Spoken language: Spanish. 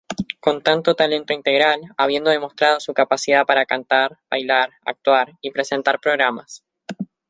Con talento integral, habiendo demostrado su capacidad para cantar, bailar, actuar y presentar programas.